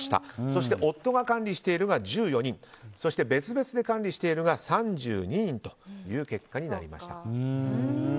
そして夫が管理しているが１４人別々で管理しているが３２人という結果になりました。